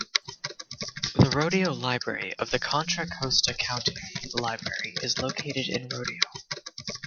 The Rodeo Library of the Contra Costa County Library is located in Rodeo.